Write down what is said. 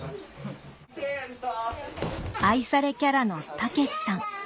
愛されキャラのタケシさん